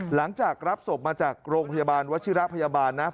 หลังจากรับศพมาจากโรงพยาบาลวชิระพยาบาลนะ